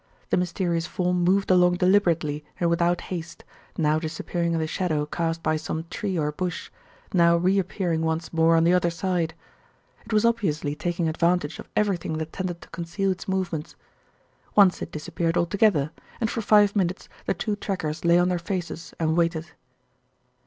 The mysterious form moved along deliberately and without haste, now disappearing in the shadow cast by some tree or bush, now reappearing once more on the other side. It was obviously taking advantage of everything that tended to conceal its movements. Once it disappeared altogether, and for five minutes the two trackers lay on their faces and waited.